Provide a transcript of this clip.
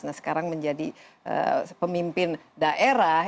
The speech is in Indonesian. nah sekarang menjadi pemimpin daerah